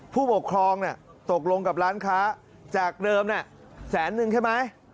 ผู้ปกครองตกลงกับร้านค้าจากเดิมแสนนึงใช่ไหม